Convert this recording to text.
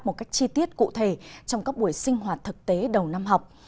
một cách chi tiết cụ thể trong các buổi sinh hoạt thực tế đầu năm học